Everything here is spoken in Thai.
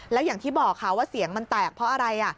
แล้วอย่างที่บอกค่ะว่าเสียงมันแตกเพราะอะไร